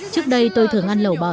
trước đây tôi thường ăn lẩu bò